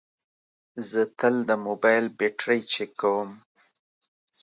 زه تل د موبایل بیټرۍ چیکوم.